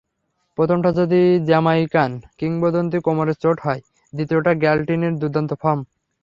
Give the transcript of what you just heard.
প্রথমটা যদি জ্যামাইকান কিংবদন্তির কোমরের চোট হয়, দ্বিতীয়টা গ্যাটলিনের দুর্দান্ত ফর্ম।